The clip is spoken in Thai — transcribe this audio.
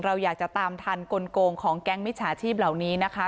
เราอยากจะตามทันกลงของแก๊งมิจฉาชีพเหล่านี้นะคะ